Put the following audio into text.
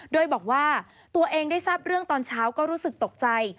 โดยบอกว่าตัวเองได้ทราบเรื่องตอนเช้าก็รู้สึกตกใจ